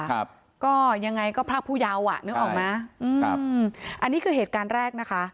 ครับก็ยังไงก็พรากผู้เยาว์อ่ะนึกออกไหมอืมครับอันนี้คือเหตุการณ์แรกนะคะ